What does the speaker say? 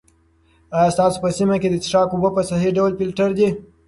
آیا ستاسو په سیمه کې د څښاک اوبه په صحي ډول فلټر دي؟